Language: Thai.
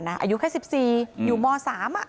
อายุแค่๑๔อยู่ม๓